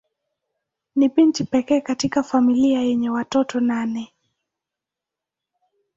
Ni binti pekee katika familia yenye watoto nane.